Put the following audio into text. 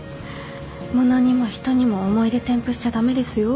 物にも人にも思い出添付しちゃ駄目ですよ。